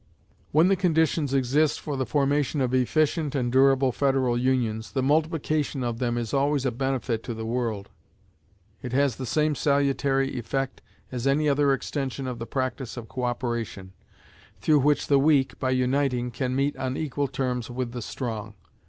When the conditions exist for the formation of efficient and durable federal unions, the multiplication of them is always a benefit to the world. It has the same salutary effect as any other extension of the practice of co operation, through which the weak, by uniting, can meet on equal terms with the strong.